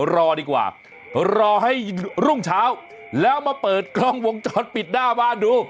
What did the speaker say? รอดีกว่ารอให้รุ่งเช้าแล้วมาเปิดกล้องวงจรปิดหน้าบ้านดู